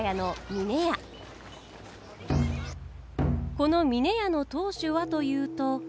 この峰屋の当主はというと。